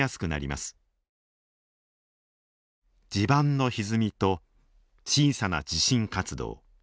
地盤のひずみと小さな地震活動。